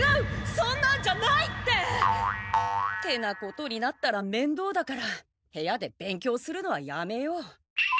そんなんじゃないって！ってなことになったらめんどうだから部屋で勉強するのはやめよう。